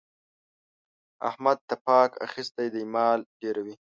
احمد تپاک اخيستی دی؛ مال ډېروي.